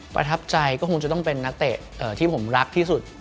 ประทับใจก็คงจะต้องเป็นนักเตะที่ผมรักที่สุด